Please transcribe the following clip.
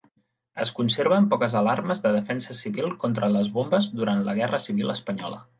Es conserven poques alarmes de defensa civil contra les bombes durant la Guerra Civil Espanyola.